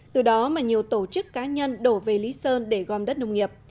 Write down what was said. từ đó mà nhiều tổ chức cá nhân đổ về lý sơn để gom đất nông nghiệp